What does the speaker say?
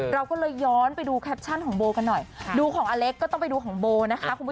เราก็เลยย้อนไปดูแคปชั่นของโบกันหน่อยดูของอเล็กก็ต้องไปดูของโบนะคะคุณผู้ชม